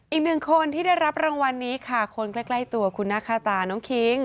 อีกหนึ่งคนที่ได้รับรางวัลนี้ค่ะคนใกล้ตัวคุณนาคาตาน้องคิง